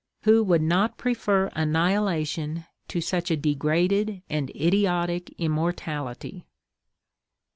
Who would not prefer annihilation to such a degraded and idiotic immortality?